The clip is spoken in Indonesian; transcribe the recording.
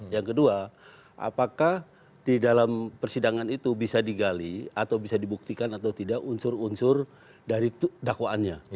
yang kedua apakah di dalam persidangan itu bisa digali atau bisa dibuktikan atau tidak unsur unsur dari dakwaannya